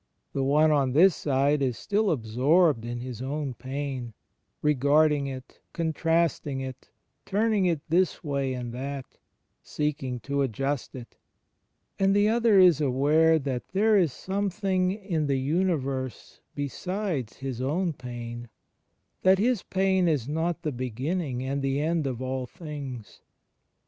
The one on this side is still absorbed in his own pain, regarding it, contrasting it, turning it this way and that, seeking to adjust it: and the other is aware that there is some thing in the universe besides his own pain, that his pain is not the beginning and the end of all things.